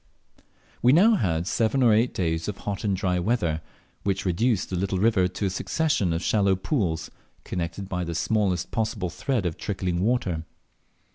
We now had seven or eight days of hot and dry weather, which reduced the little river to a succession of shallow pools connected by the smallest possible thread of trickling water.